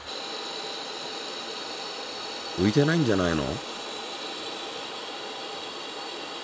ういてないんじゃないの？